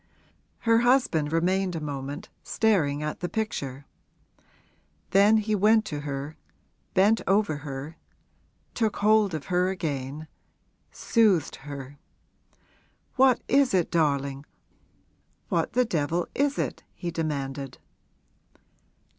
Her husband remained a moment staring at the picture; then he went to her, bent over her, took hold of her again, soothed her. 'What is it, darling, what the devil is it?' he demanded.